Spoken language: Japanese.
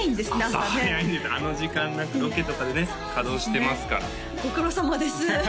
朝ね朝早いんですあの時間何かロケとかでね稼働してますからご苦労さまです